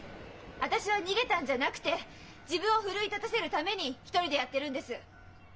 私は逃げたんじゃなくて自分を奮い立たせるために一人でやってるんです。